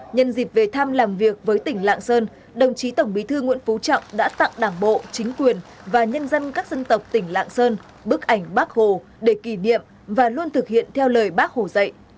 nhân dịp về thăm làm việc với tỉnh lạng sơn đồng chí tổng bí thư nguyễn phú trọng đã tặng đảng bộ chính quyền và nhân dân các dân tộc tỉnh lạng sơn bức ảnh bác hồ để kỷ niệm và luôn thực hiện theo lời bác hồ dạy